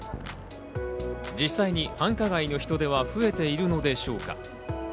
実際に繁華街の人出は増えているのでしょうか？